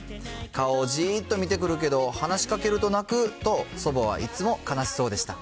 顔をじっと見てくるけど、話しかけると泣くと、祖母はいつも悲しそうでした。